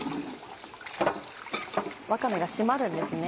わかめが締まるんですね。